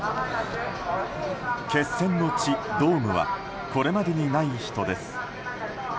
決戦の地ドームはこれまでにない人です。